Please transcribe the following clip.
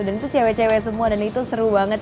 dan itu cewek cewek semua dan itu seru banget